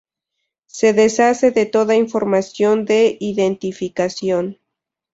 Se deshace de toda información de identificación.